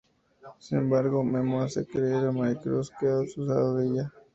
Sin embargo, Memo hace creer a Maricruz que ha abusado de ella.